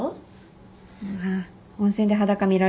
ああ温泉で裸見られるもんね。